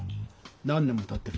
何年もたってるんです。